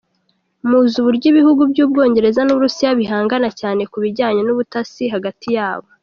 Muzi uburyo ibihugu by’Ubwongereza n’Uburusiya bihangana cyane kubijyanye n’ubutasi hagati yabo.